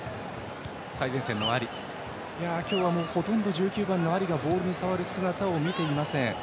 今日はほとんどカタール１９番のアリがボールを触る姿を見ていません。